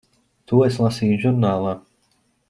To es lasīju žurnālā.